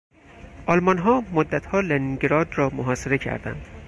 آلمانها مدتها لنینگراد را محاصره کردند.